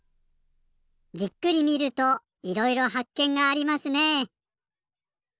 じっくり見るといろいろはっけんがありますね。